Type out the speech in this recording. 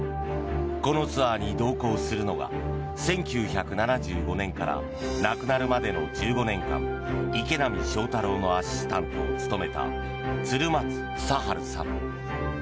このツアーに同行するのが１９７５年から亡くなるまでの１５年間池波正太郎のアシスタントを務めた鶴松房治さん。